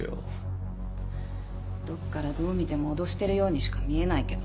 フッどっからどう見ても脅してるようにしか見えないけどな。